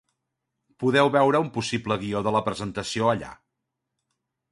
Podeu veure un possible guió de la presentació allà.